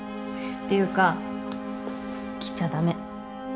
ていうか来ちゃ駄目。